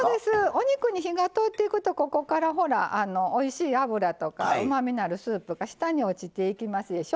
お肉に火が通っていくとここから、おいしい脂とかうまみのあるスープが下に落ちていきますでしょ。